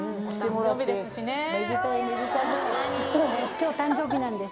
きょう誕生日なんです。